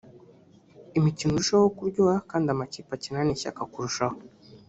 irushanwa rirusheho kuryoha kandi amakipe akinane ishyaka kurushaho